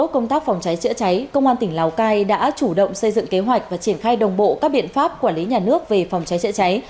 công tác phòng cháy chữa cháy công an tỉnh lào cai đã chủ động xây dựng kế hoạch và triển khai đồng bộ các biện pháp quản lý nhà nước về phòng cháy chữa cháy